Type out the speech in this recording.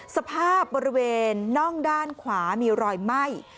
สภาพบริเวณน่องด้านขวามีรอยไหม้